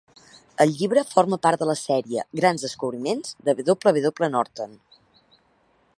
El llibre forma part de la sèrie "Grans descobriments" de W. W. Norton.